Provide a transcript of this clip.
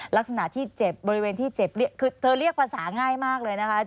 ลักษณะที่เจ็บบริเวณที่เจ็บคือเธอเรียกภาษาง่ายมากเลยนะคะ